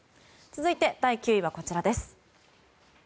続いて、第９位はこちらです。